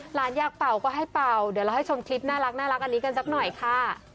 อยากเป่าก็ให้เป่าเดี๋ยวเราให้ชมคลิปน่ารักอันนี้กันสักหน่อยค่ะ